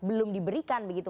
belum diberikan begitu